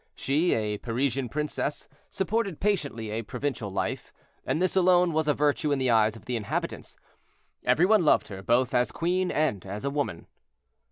She, a Parisian princess, supported patiently a provincial life, and this alone was a virtue in the eyes of the inhabitants. Every one loved her, both as queen and as woman.